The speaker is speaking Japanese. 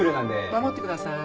守ってください。